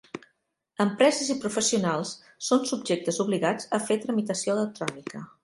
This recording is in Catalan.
Empreses i professionals són subjectes obligats a fer tramitació electrònica.